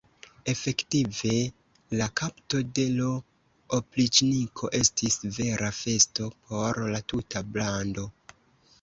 Efektive, la kapto de l' opriĉniko estis vera festo por la tuta bando.